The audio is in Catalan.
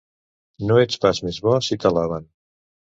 No ets pas més bo si t'alaben.